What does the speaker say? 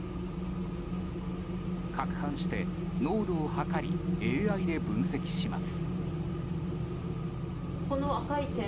攪拌して濃度を測りＡＩで分析します。